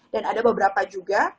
dan ada beberapa juga